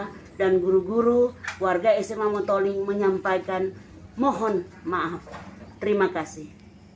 saya dan guru guru warga sma motoling menyampaikan mohon maaf terima kasih